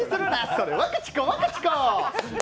それ、ワカチコワカチコ。